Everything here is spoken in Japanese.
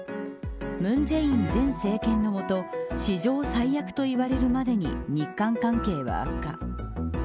文在寅前政権の下史上最悪といわれるまでに日韓関係は悪化。